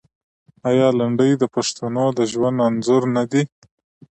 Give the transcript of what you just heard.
آیا لنډۍ د پښتنو د ژوند انځور نه دی؟